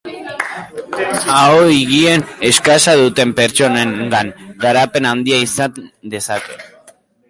Aho-higiene eskasa duten pertsonengan garapen handia izan dezake.